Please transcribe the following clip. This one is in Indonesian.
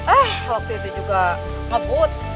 ah waktu itu juga ngebut